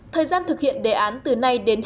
thời gian thực hiện đề án từ nay đến hôm nay